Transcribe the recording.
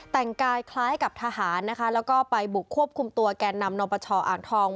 แต่งกายคล้ายกับทหารนะคะแล้วก็ไปบุกควบคุมตัวแก่นำนปชอ่างทอง